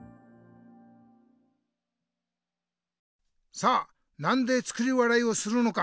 さあなんで作り笑いをするのか？